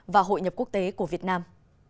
và hội nhập quốc tế của việt nam